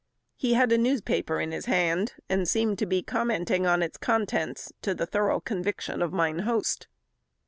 He had a newspaper in his hand, and seemed to be commenting on its contents, to the thorough conviction of mine host.